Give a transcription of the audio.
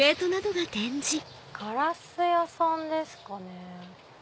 ガラス屋さんですかね。